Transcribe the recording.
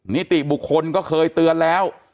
นิติบุคคลก็เคยเตือนแล้ว